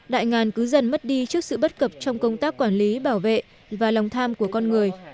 đại ngàn cứ dần mất đi trước sự bất cập trong công tác quản lý bảo vệ và lòng tham của con người